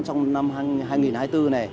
trong năm hai nghìn hai mươi bốn này